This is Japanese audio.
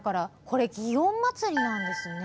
これ、祇園祭なんですね。